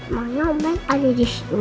makanya om baik ada di sini